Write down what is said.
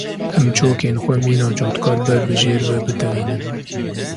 Em çokên xwe mîna cotkar ber bi jêr ve bitewînin.